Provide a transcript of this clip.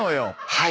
はい？